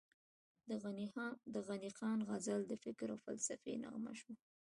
د غني خان غزل د فکر او فلسفې نغمه شوه،